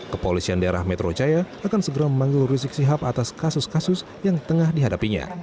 kepolisian daerah metro jaya akan segera memanggil rizik sihab atas kasus kasus yang tengah dihadapinya